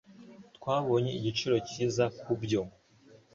Twabonye igiciro cyiza kubyo